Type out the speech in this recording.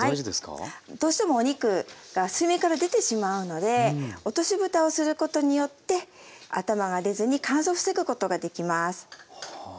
どうしてもお肉が水面から出てしまうので落としぶたをすることによって頭が出ずに乾燥を防ぐことができます。